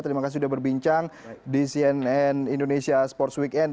terima kasih sudah berbincang di cnn indonesia sports weekend